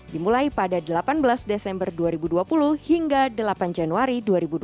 dimulai pada delapan belas desember dua ribu dua puluh hingga delapan januari dua ribu dua puluh